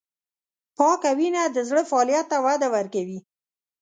پاکه وینه د زړه فعالیت ته وده ورکوي.